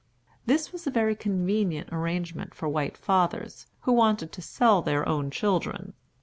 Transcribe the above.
This was a very convenient arrangement for white fathers, who wanted to sell their own children.